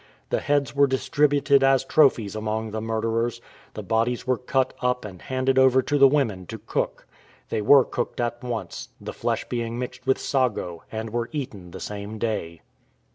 The heads were distributed as trophies among the murderers. The bodies were cut up and handed over to the women to cook. They were cooked at once, the flesh being mixed with sago, and were eaten the same day.